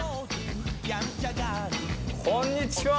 こんにちは！